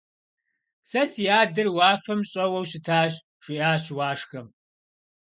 Сэ си адэр уафэм щӀэуэу щытащ, - жиӀащ Уашхэм.